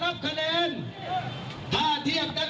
เพราะฉะนั้นพี่น้องครับวันนี้ถ้านับคะแนน